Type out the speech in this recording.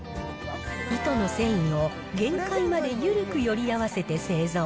糸の繊維を限界まで緩くより合わせて製造。